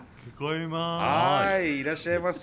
はいいらっしゃいませ。